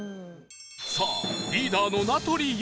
さあリーダーの名取裕子